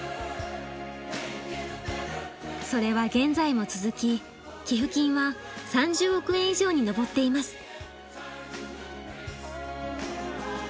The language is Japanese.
それは現在も続き寄付金は３０億円以上に上っています。